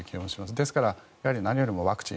ですから、何よりもワクチン。